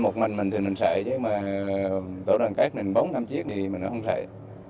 một mình mình thì mình sợi chứ mà tổ đoàn kết mình bống năm chiếc thì mình cũng không sợi